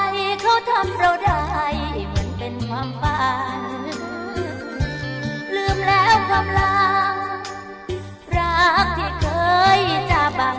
ลืมแล้วคำลังรักที่เคยจะบ้าง